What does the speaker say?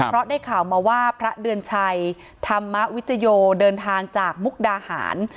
เพราะได้ข่าวมาว่าพระเดือนชัยธรรมวิจโยเดินทางจากมุกดาหาร